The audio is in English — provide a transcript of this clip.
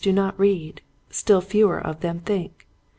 do not read. Still fewer of them think.